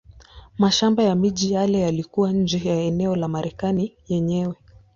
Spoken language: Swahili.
Mashamba na miji yale yalikuwa nje ya eneo la Marekani yenyewe.